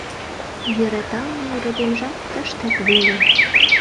Йӧраталме родемжат тыштак веле.